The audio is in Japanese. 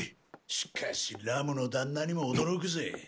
しかしＲＵＭの旦那にも驚くぜ。